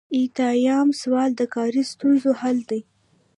ایاتیام سوال د کاري ستونزو حل دی.